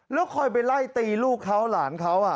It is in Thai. แล้วคอยไปไล่ตีลูกเขาหลานเขา